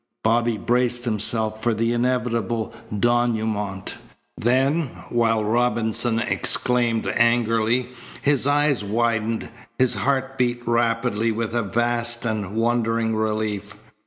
Bobby braced himself for the inevitable denouement. Then, while Robinson exclaimed angrily, his eyes widened, his heart beat rapidly with a vast and wondering relief.